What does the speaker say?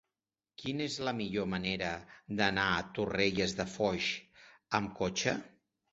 Quina és la millor manera d'anar a Torrelles de Foix amb cotxe?